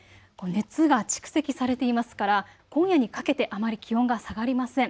熱が蓄積されていますから今夜にかけてあまり気温が下がりません。